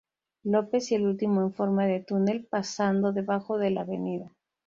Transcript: López y el último en forma de tunel pasando debajo de la Av.